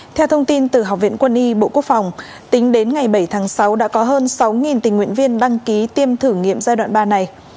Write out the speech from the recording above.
theo thông tin từ học viện quân y bộ quốc phòng tính đến ngày bảy tháng sáu đã có hơn sáu tình nguyện viên đăng ký tiêm thử nghiệm giai đoạn ba này